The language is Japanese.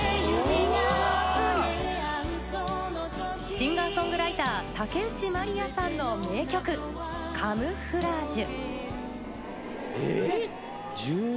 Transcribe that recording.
シンガーソングライター竹内まりやさんの名曲『カムフラージュ』。